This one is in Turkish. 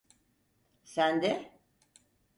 Sende?